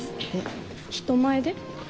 人前で？